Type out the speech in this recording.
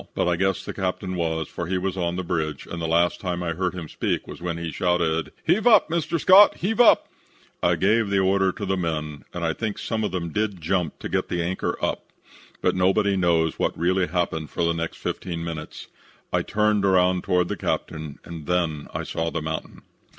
But I guess the captain was, for he was on the bridge, and the last time I heard him speak was when he shouted, 'Heave up, Mr. Scott; heave up.' I gave the order to the men, and I think some of them did jump to get the anchor up, but nobody knows what really happened for the next fifteen minutes. I turned around toward the captain and then I saw the mountain.